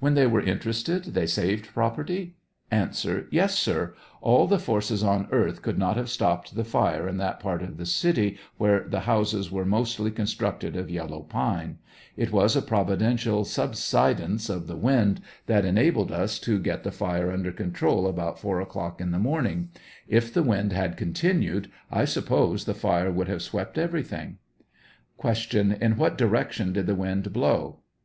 When they were interested they saved property? A. Yes, sir ; all the forces on earth could not have stopped the fire in that part of the city, where the houses were mostly constructed of yellow pine; it was a providential subsidence of the wind that enabled us to get the fire under control about 4 o'clock in the morning; if the wind had continued I suppose the fire would have swept everything. Q. In what direction did the wind blow